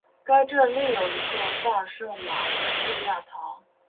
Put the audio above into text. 该镇另有一座大圣马利亚堂。